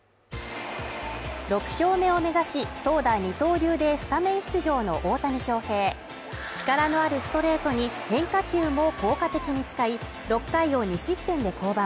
６勝目を目指し、投打二刀流でスタメン出場の大谷翔平力のあるストレートに変化球も効果的に使い、６回を２失点で降板